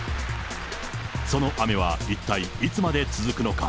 その雨は一体いつまで続くのか。